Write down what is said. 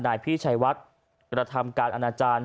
นายพี่ชัยวัดกระทำการอนาจารย์